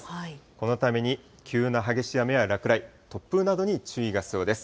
このために、急な激しい雨や落雷、突風などに注意が必要です。